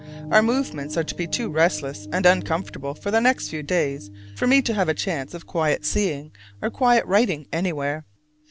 Our movements are to be too restless and uncomfortable for the next few days for me to have a chance of quiet seeing or quiet writing anywhere.